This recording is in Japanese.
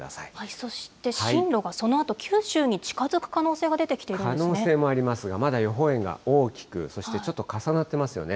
そして進路がそのあと、九州に近づく可能性が出てきているん可能性もありますが、まだ予報円が大きく、そしてちょっと重なっていますよね。